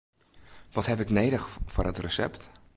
Wat haw ik nedich foar it resept?